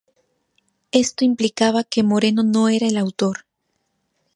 Esto implicaba que Moreno no era el autor.